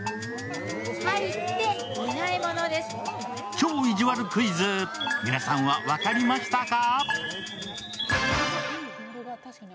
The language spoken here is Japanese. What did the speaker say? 「超いじわるクイズ」、皆さんは分かりましたか？